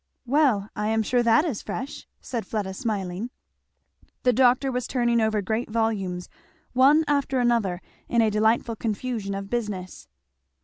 "Well I am sure that is fresh," said Fleda smiling. The doctor was turning over great volumes one after another in a delightful confusion of business.